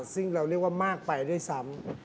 ซึ่งเราเรียกว่ามากไปด้วยซ้ำ